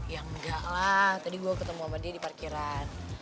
ya enggak lah tadi gue ketemu sama dia di parkiran